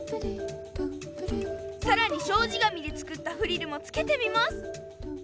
さらにしょうじがみでつくったフリルもつけてみます。